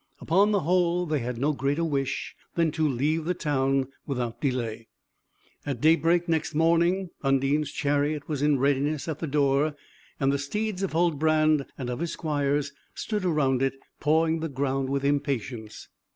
Upon the whole, they had no greater wish than to leave the town without delay. At daybreak next morning, Undine's chariot was in readiness at the door, and the steeds of Huldbrand and of his squires stood around it, pawing the ground with impatience.